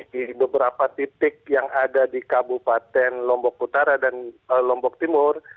di beberapa titik yang ada di kabupaten lombok utara dan lombok timur